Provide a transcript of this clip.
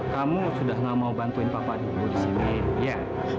kamu sudah mau bantuin papa di sini ya